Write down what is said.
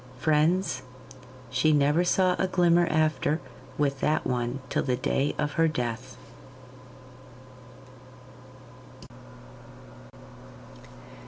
Friends, she never saw a glimmer after with that one till the day of her death.